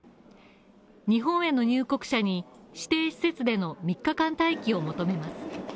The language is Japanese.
日本への入国者に指定施設での３日間待機を求めます。